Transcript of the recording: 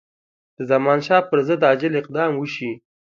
د زمانشاه پر ضد عاجل اقدام وشي.